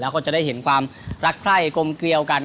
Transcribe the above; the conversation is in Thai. แล้วก็จะได้เห็นความรักใคร่กลมเกลียวกัน